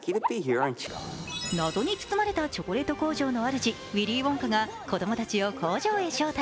謎に包まれたチョコレート工場の主・ウィリー・ウォンカが子供たちを工場へ招待。